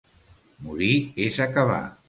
Morir és acabar.